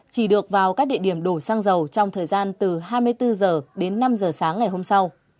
chỉ được vào các địa điểm đổ xăng dầu trong thời gian từ hai mươi bốn h đến năm h sáng ngày hôm sau